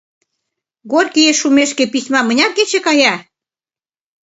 — Горькийыш шумешке письма мыняр кече кая?